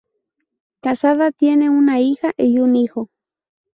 Casada, tiene una hija y un hijo.